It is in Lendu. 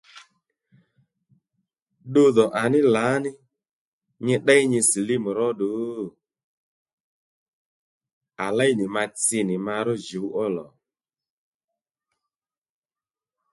Ddudhò àní lǎní nyi tdéy nyi silímù róddù? À léynì mà tsi nì ma ró jǔw ó lò